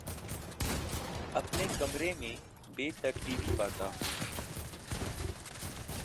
اپنے کمرے میں بے ترتیبی پاتا ہوں